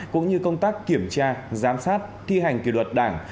cũng như công tác kiểm tra giám sát thi hành kỷ luật đảng